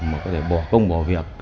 mà có thể bỏ công bỏ việc